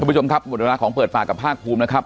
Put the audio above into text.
คุณผู้ชมครับโบราณของเปิดปากกับห้าฮูมนะครับ